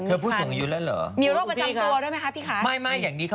เธอผู้สูงอายุนั่นเหรอ